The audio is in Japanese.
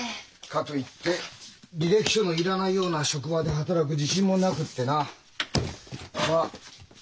かと言って履歴書の要らないような職場で働く自信もなくってな。